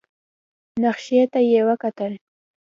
نخشې ته يې وکتل.